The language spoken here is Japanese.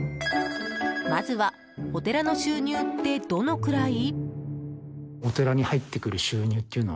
まずは、お寺の収入ってどのくらい？